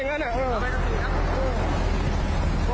เอาไปครับ